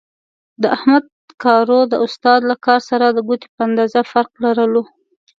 د احمد کارو د استاد له کار سره د ګوتې په اندازې فرق لرلو.